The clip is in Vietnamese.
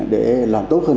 để làm tốt hơn